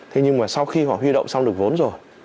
thế nhưng mà sau khi họ huy động xong được vốn rồi